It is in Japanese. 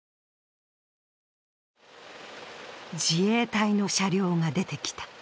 自衛隊の車両が出てきた。